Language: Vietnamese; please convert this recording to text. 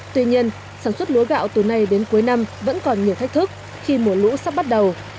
tuy nhiên sản xuất lúa gạo từ nay đến cuối năm vẫn còn nhiều thách thức khi mùa lũ sắp bắt đầu